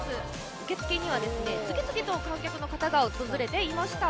受付には、次々と観客の方が訪れていました。